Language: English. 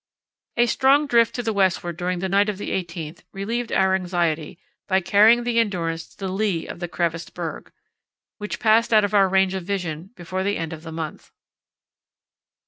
A strong drift to the westward during the night of the 18th relieved our anxiety by carrying the Endurance to the lee of the crevassed berg, which passed out of our range of vision before the end of the month.